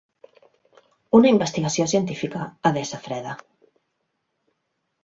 Una investigació científica ha d'ésser freda.